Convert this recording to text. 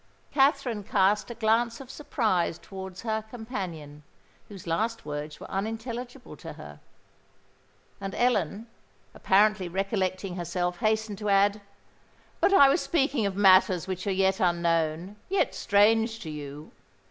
Katherine cast a glance of surprise towards her companion, whose last words were unintelligible to her; and Ellen, apparently recollecting herself, hastened to add, "But I was speaking of matters which are yet unknown—yet strange to you.